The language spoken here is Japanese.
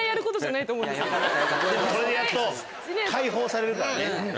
これでやっと解放されるからね。